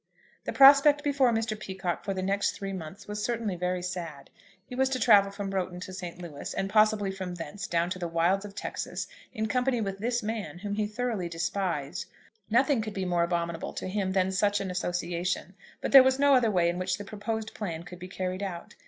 The prospect before Mr. Peacocke for the next three months was certainly very sad. He was to travel from Broughton to St. Louis, and possibly from thence down into the wilds of Texas, in company with this man, whom he thoroughly despised. Nothing could be more abominable to him than such an association; but there was no other way in which the proposed plan could be carried out.